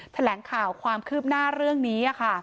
แถลงข่าวความคืบหน้าเรื่องนี้